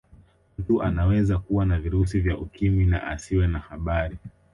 Mtu anaweza kuwa na virusi vya ukimwi na asiwe na habari